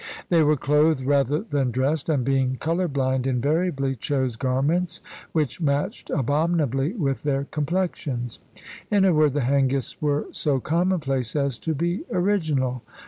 They were clothed rather than dressed, and being colour blind, invariably chose garments which matched abominably with their complexions. In a word, the Hengists were so commonplace as to be original.